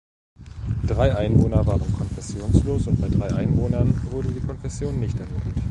Drei Einwohner waren konfessionslos und bei drei Einwohnern wurde die Konfession nicht ermittelt.